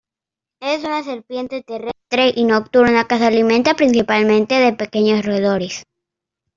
Es una serpiente terrestre y nocturna que se alimenta principalmente de pequeños roedores.